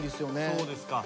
そうですか。